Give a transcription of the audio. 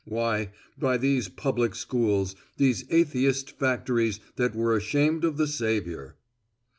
Why, by these public schools, these atheist factories that were ashamed of the Saviour.